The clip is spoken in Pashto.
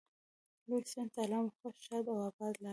لوی څښتن تعالی مو خوښ، ښاد او اباد لره.